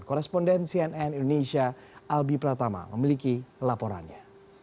koresponden cnn indonesia albi pratama memiliki laporannya